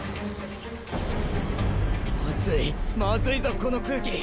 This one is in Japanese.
まずいまずいぞこの空気。